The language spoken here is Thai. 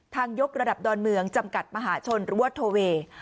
ทางยกระดับดอนเมืองจำกัดมหาชนรวดทวี